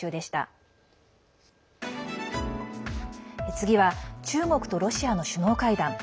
次は中国とロシアの首脳会談。